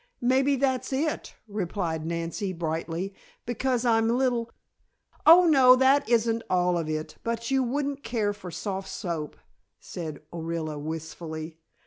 "Maybe that's it," replied Nancy brightly. "Because I'm little " "Oh, no. That isn't all of it, but you wouldn't care for soft soap," said Orilla wistfully.